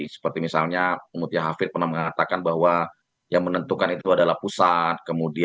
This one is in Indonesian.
seperti misalnya mutia hafid pernah mengatakan bahwa yang menentukan itu adalah pusat